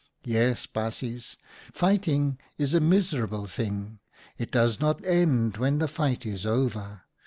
" Yes, baasjes, fighting is a miserable thing. It does not end when the fight is over.